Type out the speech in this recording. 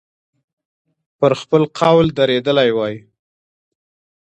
پر خپل قول درېدلی وای.